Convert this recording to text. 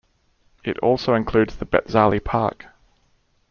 It also includes the Betzali Park.